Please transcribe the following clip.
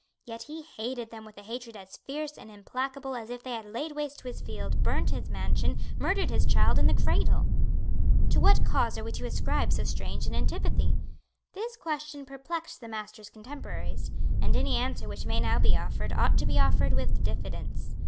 Yet he hated them with a hatred as fierce and implacable as if they had laid waste his fields, burned his mansion, murdered his child in the cradle. To what cause are we to ascribe so strange an antipathy? This question perplexed the Master's contemporaries; and any answer which may now be offered ought to be offered with diffidence.